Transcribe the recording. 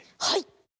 はい。